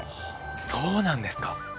そうなんですか。